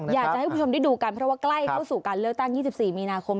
อยากจะให้คุณผู้ชมได้ดูกันเพราะว่าใกล้เข้าสู่การเลือกตั้ง๒๔มีนาคม